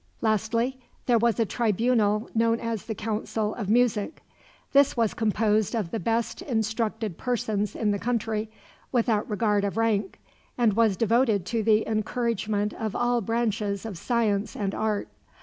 Lastly, there was a tribunal known as the Council of Music. This was composed of the best instructed persons in the country, without regard of rank, and was devoted to the encouragement of all branches of science and art.